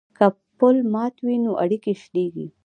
که پل مات وي نو اړیکې شلیږي.